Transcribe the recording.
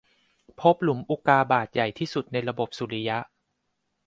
พบหลุมอุกกาบาตใหญ่สุดในระบบสุริยะ